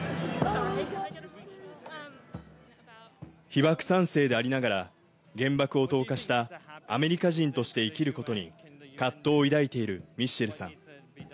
被爆３世でありながら、原爆を投下したアメリカ人として生きることに葛藤を抱いているミッシェルさん。